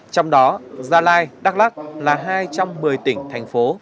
trong đó gia lai đắk lắc là hai trong một mươi tỉnh thành phố